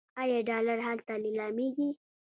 آیا ډالر هلته لیلامیږي؟